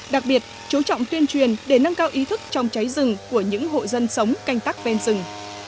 đặc biệt chú trọng tuyên truyền để nâng cao ý thức trong cháy rừng của những hộ dân sống canh tắc ven rừng